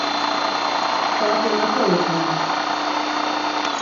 Saat̆i naǩo iqu?